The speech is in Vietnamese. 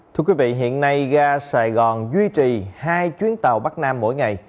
thưa quý vị hiện nay ga sài gòn duy trì hai chuyến tàu bắc nam mỗi ngày